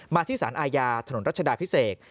ที่สารอาญาถนนรัชดาพิเศษ